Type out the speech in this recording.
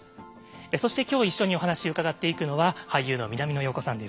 そして今日一緒にお話伺っていくのは俳優の南野陽子さんです。